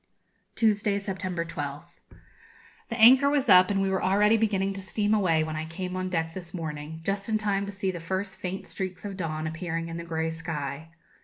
Tuesday, September 12th. The anchor was up, and we were already beginning to steam away when I came on deck this morning, just in time to see the first faint streaks of dawn appearing in the grey sky.